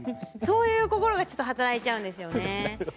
そういう心がちょっと働いちゃうんですよね。